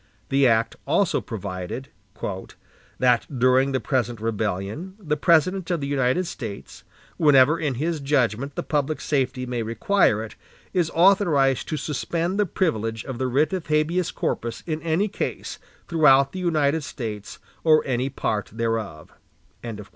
The act also provided: "That, during the present rebellion, the President of the United States, whenever in his judgment the public safety may require it, is authorized to suspend the privilege of the writ of habeas corpus in any case, throughout the United States or any part thereof."